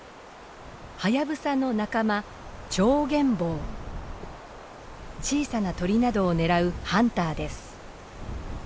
ハヤブサの仲間小さな鳥などを狙うハンターです。